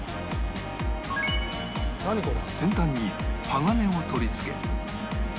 先端に鋼を取り付け